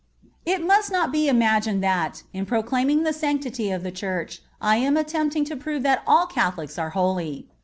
(43) It must not be imagined that, in proclaiming the sanctity of the Church, I am attempting to prove that all Catholics are holy.